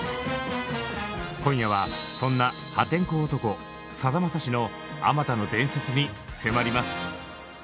今夜はそんな破天荒男さだまさしのあまたの伝説に迫ります。